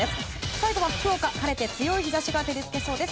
最後は福岡、晴れて強い日差しが照り付けそうです。